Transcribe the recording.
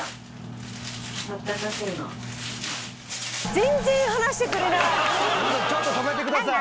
全然話してくれない！